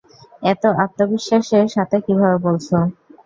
এত আত্মবিশ্বাসের সাথে কিভাবে বলছো?